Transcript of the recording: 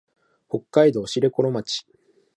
北海道豊頃町